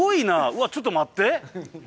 うわちょっと待って。